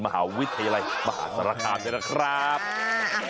มหาวิทยาลัยมหาศาละคร้าฮะ